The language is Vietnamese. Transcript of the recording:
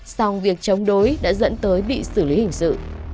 xong việc chống đối đã dẫn tới bị xử lý hình sự